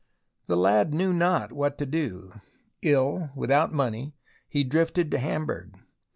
The lad knew not what to do. Ill, without money, he drifted to Hamburg.